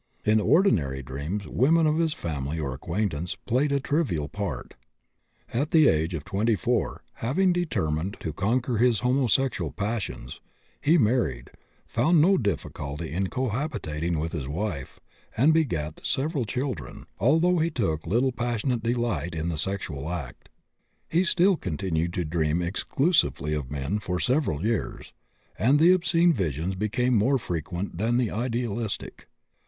In ordinary dreams, women of his family or acquaintance played a trivial part. At the age of 24, having determined to conquer his homosexual passions, he married, found no difficulty in cohabiting with his wife, and begat several children, although he took but little passionate delight in the sexual act. He still continued to dream exclusively of men, for several years; and the obscene visions became more frequent than the idealistic.